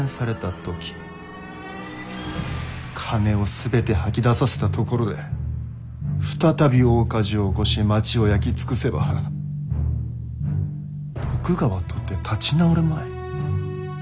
金を全て吐き出させたところで再び大火事を起こし町を焼き尽くせば徳川とて立ち直れまい。